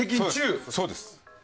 そうです。